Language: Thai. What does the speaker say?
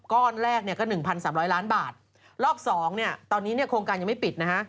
ก้อนแรกก็๑๓๐๐ล้านบาทรอบ๒ตอนนี้โครงการยังไม่ปิดนะฮะ